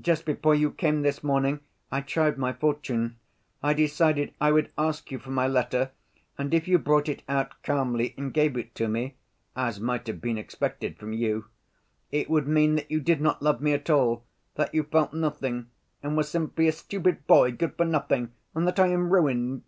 Just before you came this morning, I tried my fortune. I decided I would ask you for my letter, and if you brought it out calmly and gave it to me (as might have been expected from you) it would mean that you did not love me at all, that you felt nothing, and were simply a stupid boy, good for nothing, and that I am ruined.